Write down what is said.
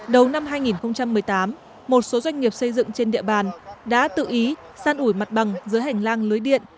đầu năm hai nghìn một mươi tám một số doanh nghiệp xây dựng trên địa bàn đã tự ý san ủi mặt bằng giữa hành lang lưới điện